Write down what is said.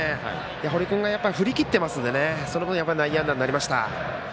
堀君が振り切ってますのでその分、内野安打になりました。